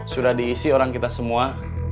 sudah diisi orang kita semua